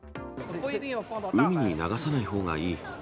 海に流さないほうがいい。